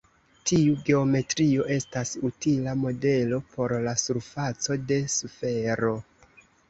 Tiu geometrio estas utila modelo por la surfaco de sfero.